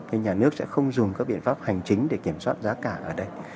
thì nhà nước sẽ không dùng các biện pháp hành chính để kiểm soát giá cả ở đây